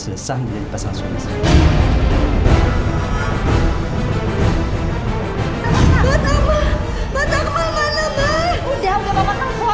bisa menjadi pasang suami saya hai